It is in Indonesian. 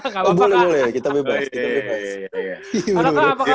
gak boleh nyebut brand ya